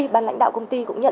ban lãnh đạo công ty cũng nhận